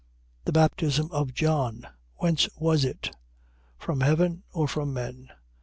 21:25. The baptism of John, whence was it? From heaven or from men?